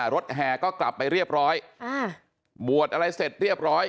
แห่ก็กลับไปเรียบร้อยบวชอะไรเสร็จเรียบร้อย